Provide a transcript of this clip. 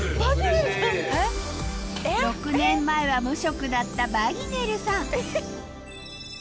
６年前は無職だったバギネルさん